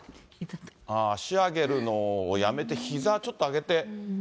足上げるのをやめて、ひざちょっと上げて。